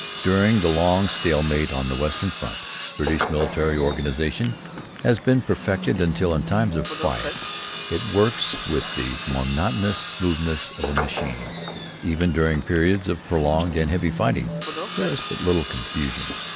During the long stalemate on the western front, British military organization has been perfected until, in times of quiet, it works with the monotonous smoothness of a machine. (Even during periods of prolonged and heavy fighting there is but little confusion.